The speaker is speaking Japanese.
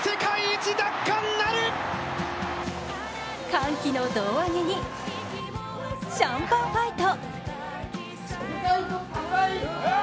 歓喜の胴上げにシャンパンファイト。